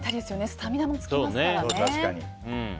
スタミナもつきますからね。